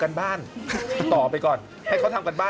ได้สักครู่นะครับขออนุญาตนะฮะ